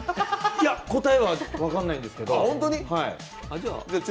答えは分かんないんですけど。